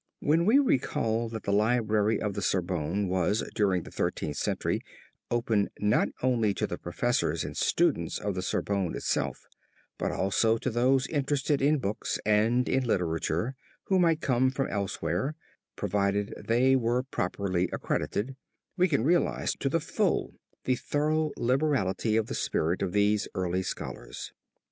When we recall that the library of the Sorbonne was, during the Thirteenth Century, open not only to the professors and students of the Sorbonne itself, but also to those interested in books and in literature who might come from elsewhere, provided they were properly accredited, we can realize to the full the thorough liberality of spirit of these early scholars.